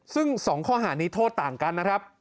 ซึ่ง๒ข้อหานี้โทษต่างกันนะครับ